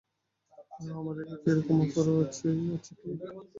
ওহ, আমাদের কাছে এরকম অফারও আছে, আছে কি?